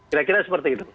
kira kira seperti itu